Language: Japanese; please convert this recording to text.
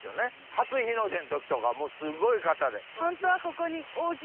初日の出の時とかすごい方で。